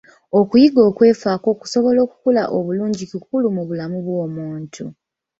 Okuyiga okwefaako okusobola okukula obulungi kikulu mu bulamu bw'omuntu